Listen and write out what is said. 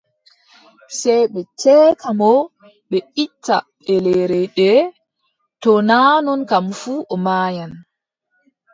Sey ɓe ceeka mo ɓe itta ɓellere ndee, to naa non kam fuu, o maayan.